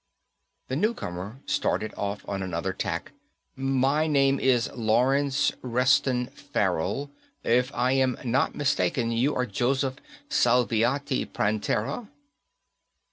The newcomer started off on another tack. "My name is Lawrence Reston Farrell. If I am not mistaken, you are Joseph Salviati Prantera."